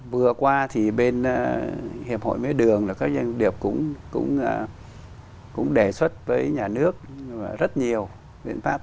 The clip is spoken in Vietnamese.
vừa qua thì bên hiệp hội mía đường là các doanh nghiệp cũng đề xuất với nhà nước rất nhiều biện pháp